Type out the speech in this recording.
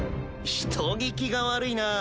人聞きが悪いなぁ。